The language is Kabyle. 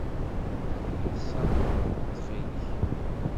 Ad iyi-tsamḥeḍ ttxil-k?